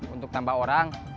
untuk tambah orang